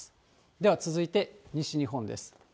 では続いて、西日本です。